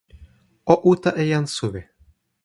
o uta e jan suwi.